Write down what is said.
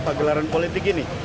kegelaran politik ini